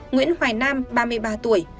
nguyễn hoài nam ba mươi ba tuổi